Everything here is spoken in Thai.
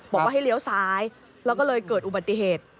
บอกว่าให้เลี้ยวซ้ายแล้วก็เลยเกิดอุบัติเหตุ